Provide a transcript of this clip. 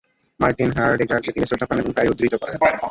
Martin হাইডেগারকে তিনি শ্রদ্ধা করেন এবং প্রায়ই উদ্ধৃত করেন।